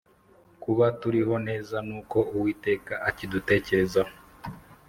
kuba turiho neza nuko uwiteka akidutekerezaho